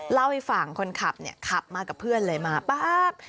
เล่าให้ฟังคนขับเนี่ยขับมากับเพื่อนเลยมาป๊าบ